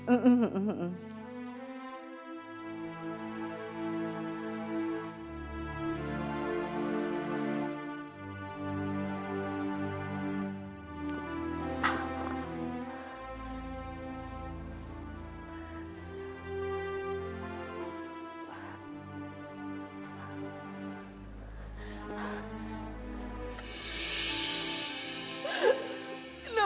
ini kapan aja